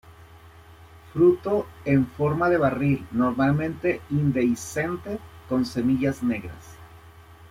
Fruto en forma de barril, normalmente indehiscente con semillas negras.